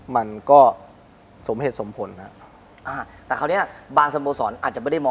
มันก็สมเหตุสมผลฮะอ่าแต่คราวเนี้ยบางสโมสรอาจจะไม่ได้มอง